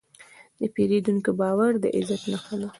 د پیرودونکي باور د عزت نښه ده.